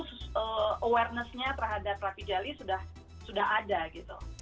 jadi awarenessnya terhadap rapi jali sudah ada gitu